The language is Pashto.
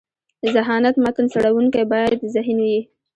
ذهانت: متن څړونکی باید ذهین يي.